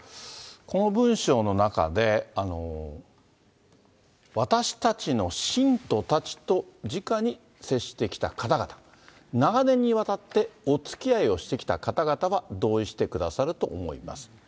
この文章の中で、私たちの信徒たちとじかに接してきた方々、長年にわたっておつきあいしてきた方々は同意してくださると思います。